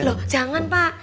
loh jangan pak